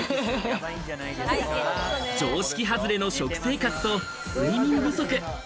常識外れの食生活と睡眠不足。